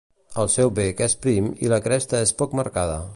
El seu bec és prim i la cresta és poc marcada.